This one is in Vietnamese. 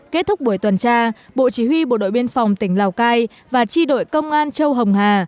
kết thúc buổi tuần tra bộ chỉ huy bộ đội biên phòng tỉnh lào cai và chi đội công an châu hồng hà